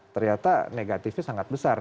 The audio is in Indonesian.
ternyata negatifnya sangat besar